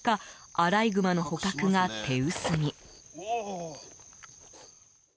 アライグマの捕獲が手薄に。